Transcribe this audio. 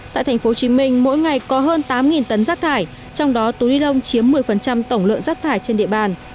tại tp hcm mỗi ngày có hơn tám tấn rác thải trong đó túi ni lông chiếm một mươi tổng lượng rác thải trên địa bàn